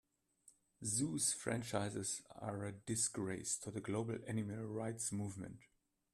Zoos franchises are a disgrace to the global animal rights movement.